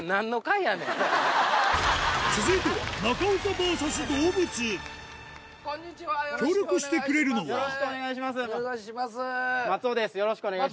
続いては協力してくれるのはよろしくお願いします。